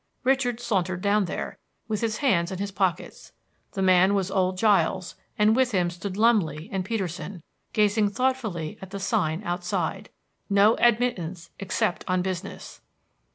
Richard sauntered down there, with his hands in his pockets. The man was old Giles, and with him stood Lumley and Peterson, gazing thoughtfully at the sign outside, NO ADMITTANCE EXCEPT ON BUSINESS.